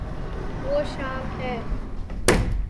وہ شام ہے